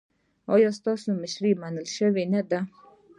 ایا ستاسو مشري منل شوې نه ده؟